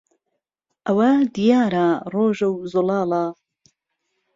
ئهوه دییاره ڕۆژه و زوڵاڵه